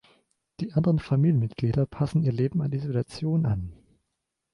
Die anderen Familienmitglieder passen ihr Leben an die Situation an.